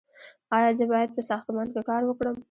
ایا زه باید په ساختمان کې کار وکړم؟